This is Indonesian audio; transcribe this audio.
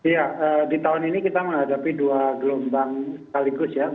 ya di tahun ini kita menghadapi dua gelombang sekaligus ya